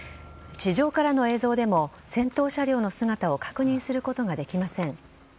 地上からの映像でも先頭車両の姿を確認することができません。